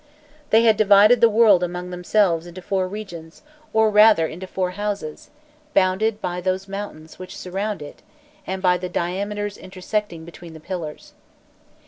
They had divided the world among themselves into four regions, or rather into four "houses," bounded by those mountains which surround it, and by the diameters intersecting between the pillars.